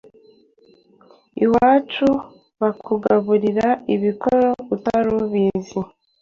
Iwacu bakugaburiye ibikoro utari ubizi.